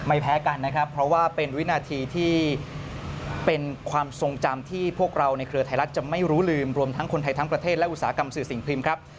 แพ้กันนะครับเพราะว่าเป็นวินาทีที่เป็นความทรงจำที่พวกเราในเครือไทยรัฐจะไม่รู้ลืมรวมทั้งคนไทยทั้งประเทศและอุตสาหกรรมสื่อสิ่งพิมพ์ครับ